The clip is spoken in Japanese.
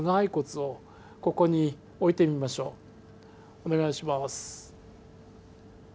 お願いします。